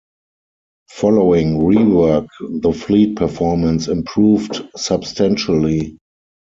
Following rework the fleet performance improved substantially.